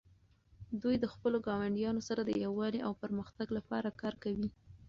دوی د خپلو ګاونډیانو سره د یووالي او پرمختګ لپاره کار کوي.